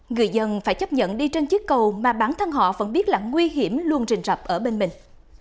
người dân phải chấp nhận đi trên chiếc cầu mà bản thân họ vẫn biết là nguy hiểm luôn rình rập ở bên mình